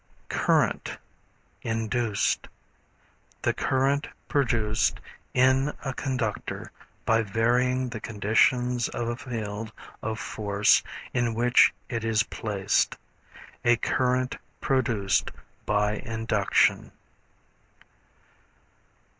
Current, Induced. The current produced in a conductor by varying the conditions of a field of force in which it is placed; a current produced by induction.